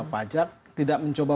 pajak tidak mencoba